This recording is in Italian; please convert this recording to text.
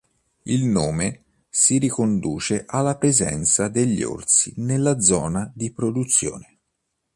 Il nome si riconduce alla presenza degli orsi nella zona di produzione.